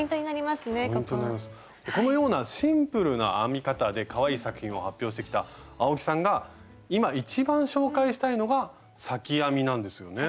このようなシンプルな編み方でかわいい作品を発表してきた青木さんが今一番紹介したいのが裂き編みなんですよね？